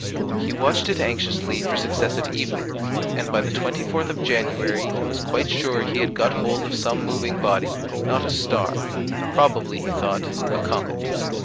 He watched it anxiously for successive evenings, and by the 24th of January he was quite sure he had got hold of some moving body, not a star: probably, he thought, a comet.